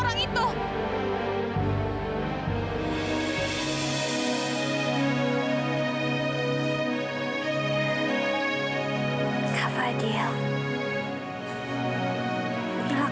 tunggu tunggu bapak bapak